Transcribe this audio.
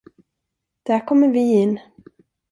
Där kommer vi in.